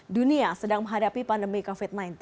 dunia sedang menghadapi pandemi covid sembilan belas